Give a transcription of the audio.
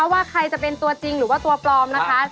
ว่าใครจะเป็นตัวจริงหรือว่าตัวปลอมนะคะ